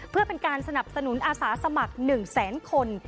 เพื่อเป็นการสนับสนุนอาสาสมัคร๑แสนคน